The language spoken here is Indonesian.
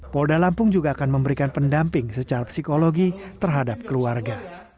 polda lampung juga akan memberikan pendamping secara psikologi terhadap keluarga